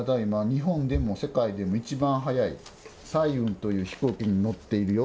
日本でも世界でも一番速い彩雲という飛行機に乗っているよ。